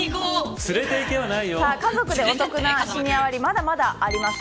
家族でお得なシニア割まだまだあります。